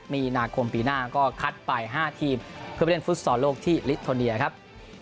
มีนาคมปีหน้าก็คัดไป๕ทีมเพื่อไปเล่นฟุตซอลโลกที่ลิโทเนียครับ